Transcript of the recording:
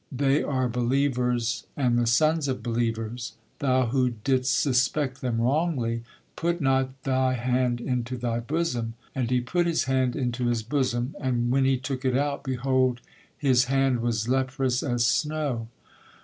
They are believers and the sons of believers. Thou who didst suspect them wrongly, put not they hand into thy bosom,…..and he put his hand into his bosom: and when he took it out, behold, his hand was leprous as snow.